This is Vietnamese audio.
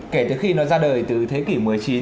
kể từ khi nó ra đời từ thế kỷ một mươi chín